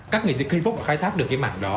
các nghệ diễn k pop đã khai thác được mạng đó